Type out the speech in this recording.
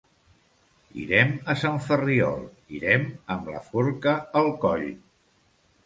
Irem a Sant Ferriol; irem, amb la forca al coll.